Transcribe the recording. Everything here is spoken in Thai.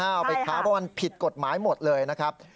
เอาไปค้าเพราะมันผิดกฎหมายหมดเลยนะครับ